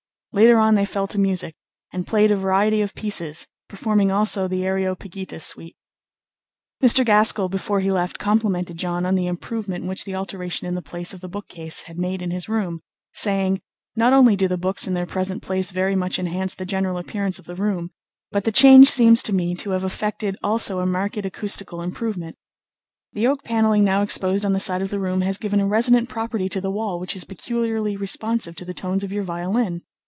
Later on they fell to music, and played a variety of pieces, performing also the "Areopagita" suite. Mr. Gaskell before he left complimented John on the improvement which the alteration in the place of the bookcase had made in his room, saying, "Not only do the books in their present place very much enhance the general appearance of the room, but the change seems to me to have affected also a marked acoustical improvement. The oak panelling now exposed on the side of the room has given a resonant property to the wall which is peculiarly responsive to the tones of your violin.